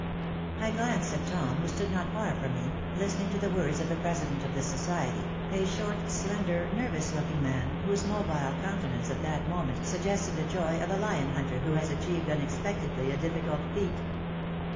I glanced at Tom, who stood not far from me, listening to the words of the president of the society, a short, slender, nervous looking man, whose mobile countenance at that moment suggested the joy of a lion hunter who has achieved unexpectedly a difficult feat.